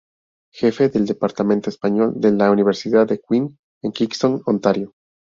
Jefe del departamento español de la Universidad de Queen en Kingston, Ontario.